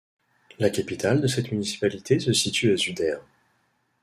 La capitale de cette municipalité se situe à Zudaire.